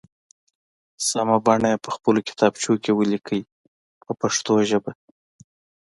سمه بڼه یې په خپلو کتابچو کې ولیکئ په پښتو ژبه.